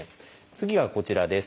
次はこちらです。